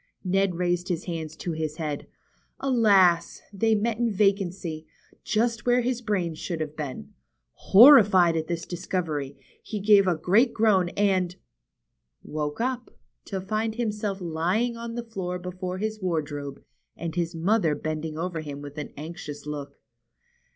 Ned raised his hands to his head. Alas ! they met in vacancy, just where his brains should have been. Horrified at this discovery, he gave a great groan and — woke up, to find himself lying on the floor before his wardrobe, and his mother bending over him with an anxious look.